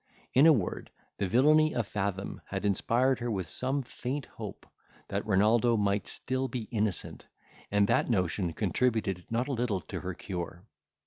In a word, the villany of Fathom had inspired her with some faint hope that Renaldo might still be innocent; and that notion contributed not a little to her cure.